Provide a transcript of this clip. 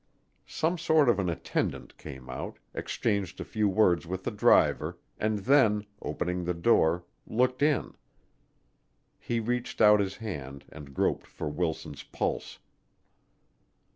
Some sort of an attendant came out, exchanged a few words with the driver, and then, opening the door, looked in. He reached out his hand and groped for Wilson's pulse.